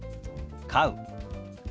「飼う」。